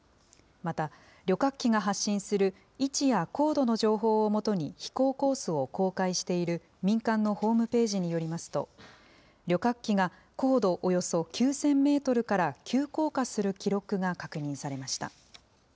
また、旅客機が発信する位置や高度の情報を基に飛行コースを公開している民間のホームページによりますと、旅客機が高度およそ９０００メートルから急降下する記録が確認されました。